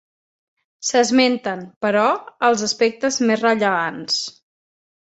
S'esmenten, però, els aspectes més rellevants.